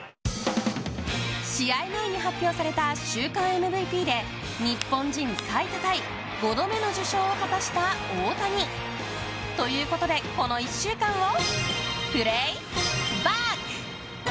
試合前に発表された週間ＭＶＰで日本人最多タイ５度目の受賞を果たした大谷。ということでこの１週間をプレーバック。